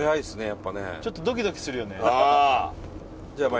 やっぱねちょっとドキドキするよねああ